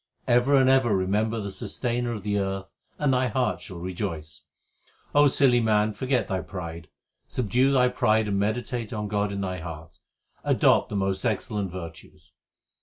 Ever and ever remember the Sustainer of the earth, and thy heart shall rejoice. silly man, forget thy pride, Subdue thy pride and meditate on God in thy heart ; adopt the most excellent virtues.